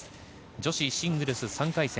女子シングルス３回戦